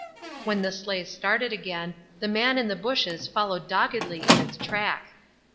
When the sleigh started again the man in the bushes followed doggedly in its track.